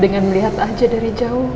dengan melihat aja dari jauh